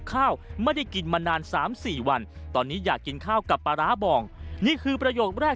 ข้าวไม่ได้กินมานาน๓๔วันตอนนี้อยากกินข้าวกับปลาร้าบองนี่คือประโยคแรก